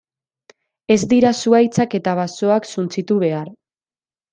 Ez dira zuhaitzak eta basoak suntsitu behar.